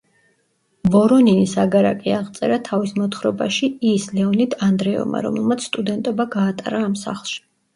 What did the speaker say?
ვორონინის აგარაკი აღწერა თავის მოთხრობაში „ის“ ლეონიდ ანდრეევმა, რომელმაც სტუდენტობა გაატარა ამ სახლში.